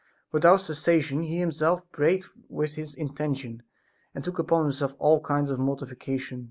Without cessation he himself prayed with this intention and took upon himself all kinds of mortification.